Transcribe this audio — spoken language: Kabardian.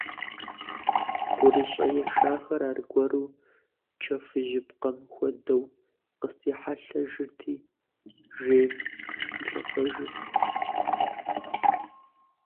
ГурыщӀэ ешахэр аргуэру чэфыжьыпкъэм хуэдэу къыстехьэлъэжырти, жейм сыхилъэфэжырт.